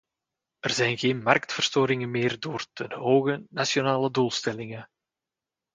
Er zijn geen marktverstoringen meer door te hoge nationale doelstellingen.